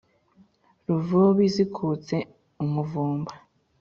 Ruvubi zikutse umuvumba ;